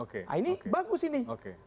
nah ini bagus ini